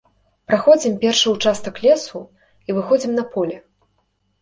Праходзім першы ўчастак лесу, і выходзім на поле.